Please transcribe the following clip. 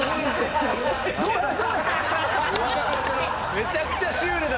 めちゃくちゃシュールだ！